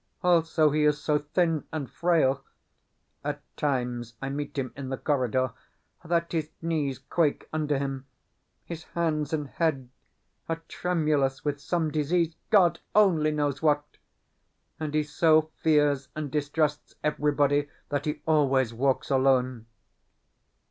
Also, he is so thin and frail (at times I meet him in the corridor) that his knees quake under him, his hands and head are tremulous with some disease (God only knows what!), and he so fears and distrusts everybody that he always walks alone.